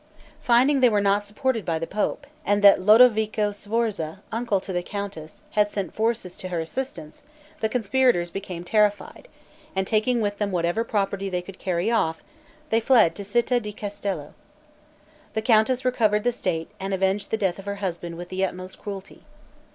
Finding they were not supported by the pope, and that Lodovico Sforza, uncle to the countess, had sent forces to her assistance, the conspirators became terrified, and taking with them whatever property they could carry off, they fled to Citta di Castello. The countess recovered the state, and avenged the death of her husband with the utmost cruelty.